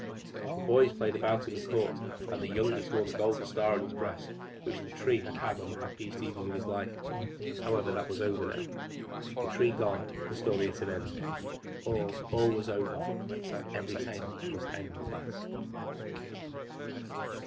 The boys played about in the court, and the youngest wore the gold star on his breast which the Tree had had on the happiest evening of his life. However, that was over now the Tree gone, the story at an end. All, all was over every tale must end at last.